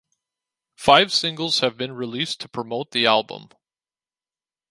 Five singles have been released to promote the album.